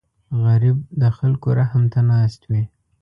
غریب د خلکو رحم ته ناست وي